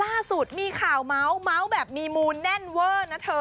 ล่าสุดมีข่าวเมาส์เมาส์แบบมีมูลแน่นเวอร์นะเธอ